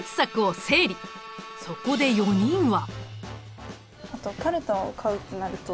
そこで４人は。